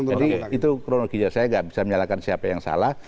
jadi itu kronologinya saya nggak bisa menyalahkan siapa yang salah